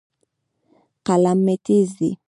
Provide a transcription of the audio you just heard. قلم مې تیز دی.